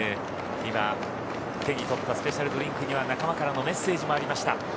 今、手に取ったスペシャルドリンクには仲間からのメッセージもありました。